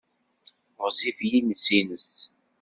Ɣezzif yiles-nnes.